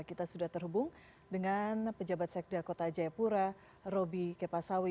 kita sudah terhubung dengan pejabat sekda kota jayapura roby kepasawi